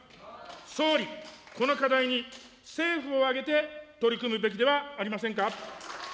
総理、この課題に、政府を挙げて取り組むべきではありませんか。